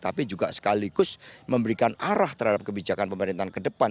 tapi juga sekaligus memberikan arah terhadap kebijakan pemerintahan ke depan